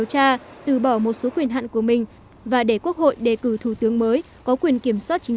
tra từ bỏ một số quyền hạn của mình và để quốc hội đề cử thủ tướng mới có quyền kiểm soát chính